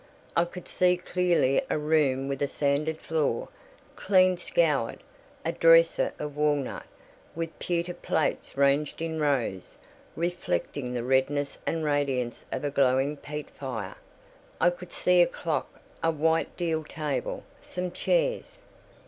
I could see clearly a room with a sanded floor, clean scoured; a dresser of walnut, with pewter plates ranged in rows, reflecting the redness and radiance of a glowing peat fire. I could see a clock, a white deal table, some chairs.